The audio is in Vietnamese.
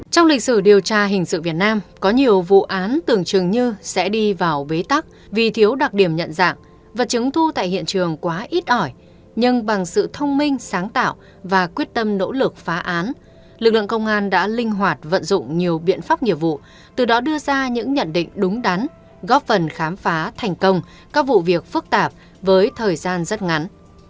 trong lịch sử điều tra hình sự việt nam có nhiều vụ án tưởng chừng như sẽ đi vào bế tắc vì thiếu đặc điểm nhận dạng và chứng thu tại hiện trường quá ít ỏi nhưng bằng sự thông minh sáng tạo và quyết tâm nỗ lực phá án lực lượng công an đã linh hoạt vận dụng nhiều biện pháp nhiệm vụ từ đó đưa ra những nhận định đúng đắn góp phần khám phá thành công các vụ việc phức tạp với thời gian rất ngắn